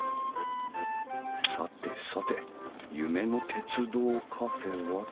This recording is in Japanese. さてさて夢の鉄道カフェはと。